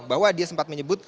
bahwa dia sempat menyebut